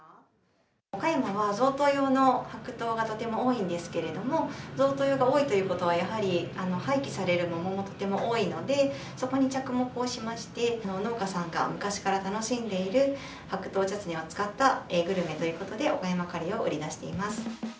岡山は贈答用の白桃がとても多いんですけれども、贈答用が多いということは、やはり廃棄される桃もとても多いので、そこに着目をしまして、農家さんが昔から楽しんでいる白桃チャツネを使ったグルメということで、岡山カレーを売り出しています。